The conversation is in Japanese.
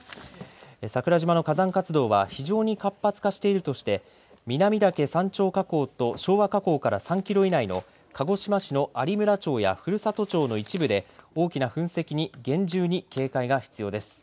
桜島の火山活動は非常に活発化しているとして南岳山頂火口と昭和火口から３キロ以内の鹿児島市の有村町や古里町の一部で大きな噴石に厳重な警戒が必要です。